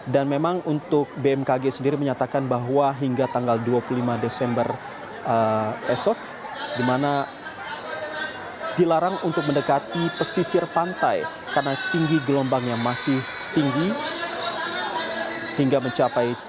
dan memang untuk bmkg sendiri menyatakan bahwa hingga tanggal dua puluh lima desember esok dimana dilarang untuk mendekati pesisir pantai karena tinggi gelombangnya masih tinggi hingga mencapai tiga hingga empat meter